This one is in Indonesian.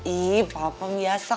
ih papa biasa